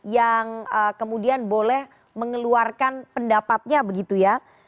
yang kemudian boleh mengeluarkan pendapatnya begitu ya